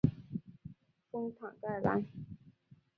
丰坦盖兰。